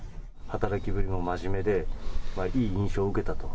働きぶりも真面目で、いい印象を受けたと？